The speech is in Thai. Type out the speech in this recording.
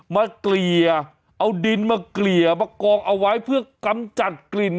เกลี่ยเอาดินมาเกลี่ยมากองเอาไว้เพื่อกำจัดกลิ่น